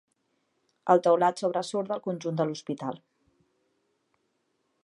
El teulat sobresurt del conjunt de l'Hospital.